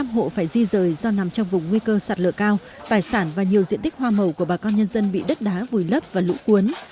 một trăm linh hộ phải di rời do nằm trong vùng nguy cơ sạt lửa cao tài sản và nhiều diện tích hoa màu của bà con nhân dân bị đất đá vùi lấp và lũ cuốn